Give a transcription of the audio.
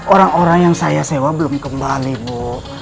orang orang yang saya sewa belum kembali bu